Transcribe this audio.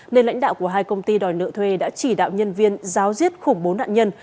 nên lãnh đạo của hai công ty đòi nợ thuê đã chỉ đạo nhân viên giáo diết khủng bố nạn nhân